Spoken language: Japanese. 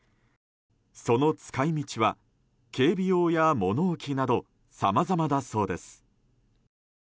その使い道は警備用や物置などさまざまだそうです。